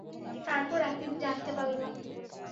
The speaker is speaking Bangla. তারপর একদিন জানতে পারলাম।